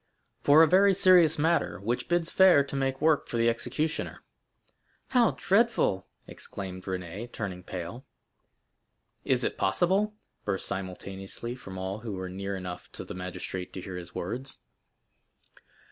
"For a very serious matter, which bids fair to make work for the executioner." "How dreadful!" exclaimed Renée, turning pale. "Is it possible?" burst simultaneously from all who were near enough to the magistrate to hear his words.